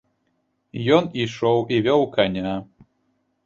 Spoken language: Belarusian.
Ён ішоў і вёў каня.